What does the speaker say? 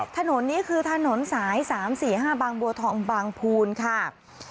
ถนนนี้คือถนนสาย๓๔๕บางบัวทองบางภูนค่ะ